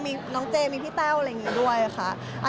มีน้องเจมีพี่แต้วอะไรอย่างนี้ด้วยค่ะ